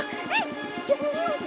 eh jangan dong